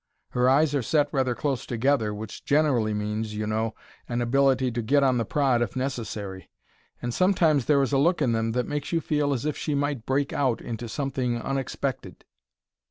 Her eyes are set rather close together, which generally means, you know, an ability to get on the prod if necessary; and sometimes there is a look in them that makes you feel as if she might break out into something unexpected."